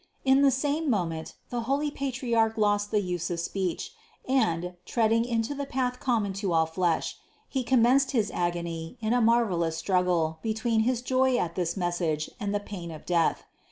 In the same moment the holy patri arch lost the use of speech and, treading into the path common to all flesh, he commenced his agony in a marvel ous struggle between his joy at this message and the pain of death.